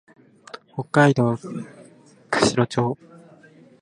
北海道釧路町